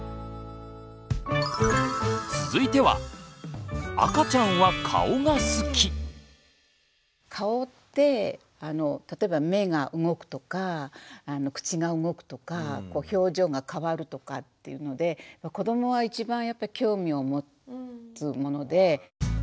続いては顔って例えば目が動くとか口が動くとか表情が変わるとかっていうので子どもは一番やっぱり興味を持つもので。